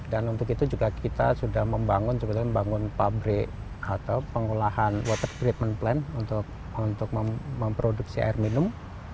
dan untuk itu juga kita sudah membangun sebenarnya membangun pabrik atau pengolahan water treatment plant untuk memproduksi air minum